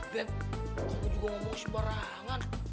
bebep kamu juga ngomong sembarangan